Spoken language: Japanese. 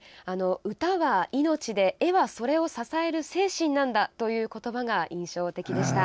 歌は命で、絵はそれを支える精神なんだという言葉が印象的でした。